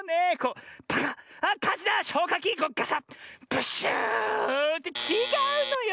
ブッシュー！ってちがうのよ！